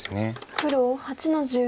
黒８の十四。